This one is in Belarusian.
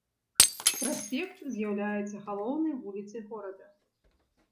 Праспект з'яўляецца галоўнай вуліцай горада.